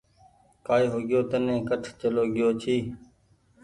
ڪآئي هوگئيو تني ڪٺ چلو گيو ڇي۔